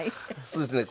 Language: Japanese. そうですね。